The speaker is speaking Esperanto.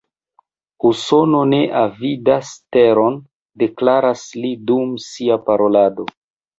Usono ne avidas teron, deklaras li dum sia parolado.